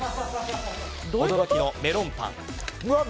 驚きのメロンパン。